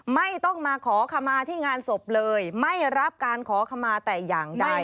ไม่ต้องมาขอขมาที่งานศพเลยไม่รับการขอขมาแต่อย่างใด